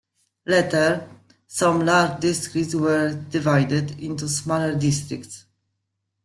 Later, some large districts were divided into smaller districts.